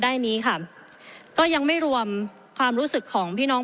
ได้นี้ค่ะก็ยังไม่รวมความรู้สึกของพี่น้อง